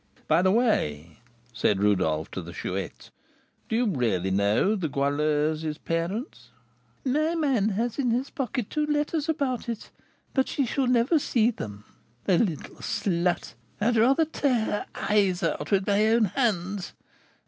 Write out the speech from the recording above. "By the way," said Rodolph to the Chouette, "do you really know the Goualeuse's parents?" "My man has in his pocket two letters about it, but she shall never see them, the little slut! I would rather tear her eyes out with my own hands.